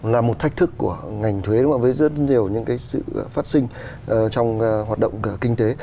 là một thách thức của ngành thuế mà với rất nhiều những cái sự phát sinh trong hoạt động kinh tế